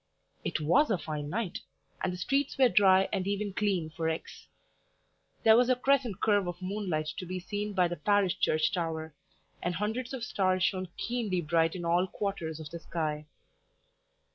It WAS a fine night, and the streets were dry and even clean for X ; there was a crescent curve of moonlight to be seen by the parish church tower, and hundreds of stars shone keenly bright in all quarters of the sky.